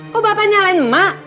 kok bapak nyalain emak